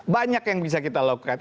banyak yang bisa kita loket